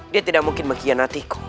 dia tidak mungkin mengkhianatiku